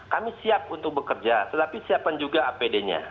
kami siap untuk bekerja tetapi siapkan juga apd nya